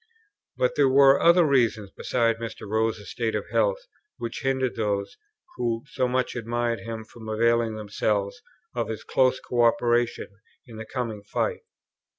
But there were other reasons, besides Mr. Rose's state of health, which hindered those who so much admired him from availing themselves of his close co operation in the coming fight.